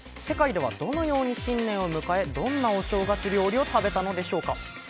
世界ではどのように新年を迎えどんなお正月料理を食べたのでしょうか。